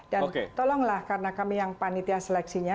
tolonglah karena kami yang panitia seleksinya